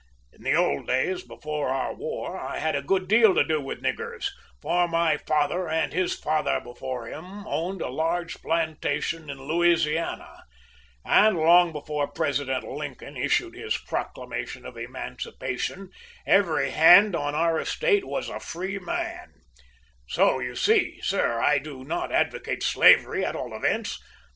In the old days, before our war, I had a good deal to do with niggers, for my father and his father before him owned a large plantation in Louisiana, and long before President Lincoln issued his proclamation of emancipation every hand on our estate was a free man; so, you see, sir, I do not advocate slavery at all events.